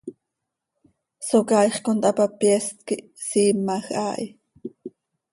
Socaaix conthapa, pyeest quih hsiimaj haa hi.